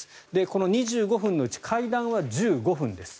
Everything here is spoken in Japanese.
この２５分のうち会談は１５分です。